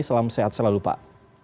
selam sehat selalu pak